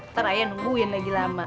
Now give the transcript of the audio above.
ntar ayah nungguin lagi lama